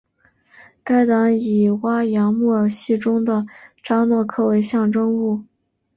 该党以哇扬木偶戏中的查诺科为象征物。